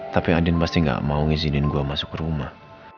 tapi adin pasti gak mau ngizinin gue masuk ke rumah